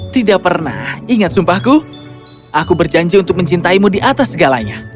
tidak pernah ingat sumpahku aku berjanji untuk mencintaimu di atas segalanya